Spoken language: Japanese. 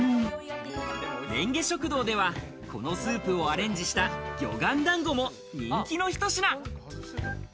れんげ食堂ではこのスープをアレンジした魚丸団子も人気のひと品。